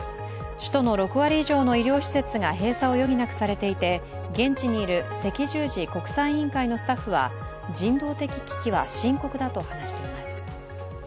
首都の６割以上の医療施設を閉鎖を余儀なくされていて、現地にいる赤十字国際委員会のスタッフは人道的危機は深刻だと話しています。